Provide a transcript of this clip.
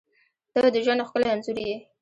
• ته د ژوند ښکلی انځور یې.